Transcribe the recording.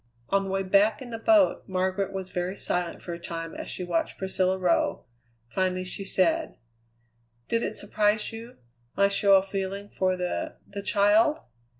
On the way back in the boat Margaret was very silent for a time as she watched Priscilla row; finally she said: "Did it surprise you my show of feeling for the the child?"